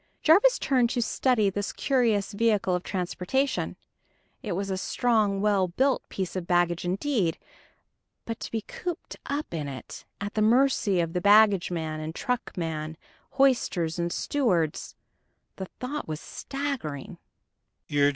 Jarvis turned to study this curious vehicle of transportation. It was a strong, well built piece of baggage, indeed; but to be cooped up in it, at the mercy of baggageman and truckman, hoisters and stewards the thought was staggering.